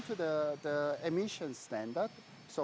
kita harus kurangkan ke bawah standar emisi